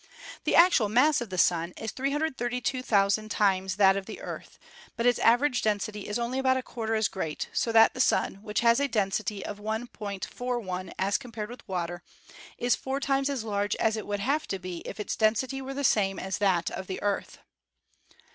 The actual mass of the Sun is 332,000 times that of the Earth, but its average density is only about a quarter as great, so that the Sun, which has a density of 1.41 as compared with water, is four times as large as it would have to be if its density were the same as that of the Earth.